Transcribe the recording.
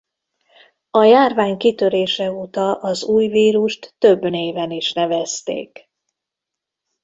A járvány kitörése óta az új vírust több néven is nevezték.